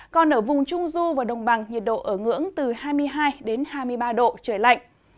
còn ở vùng trung du và đồng bằng nhiệt độ ở ngưỡng từ hai mươi hai hai mươi ba độ c